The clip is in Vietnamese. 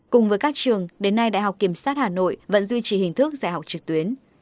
cùng với các trường đến nay đại học kiểm sát hà nội vẫn duy trì hình thức dạy học trực tuyến